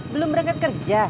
belum berangkat kerja